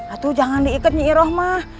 aduh jangan diikat nyiroh mak